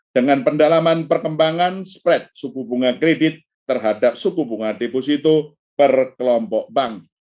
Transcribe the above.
dengan pendalaman perkembangan spret suku bunga kredit terhadap suku bunga deposito per kelompok bank